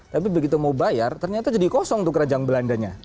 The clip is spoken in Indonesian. tapi begitu mau bayar ternyata jadi kosong tuh kerajaan belandanya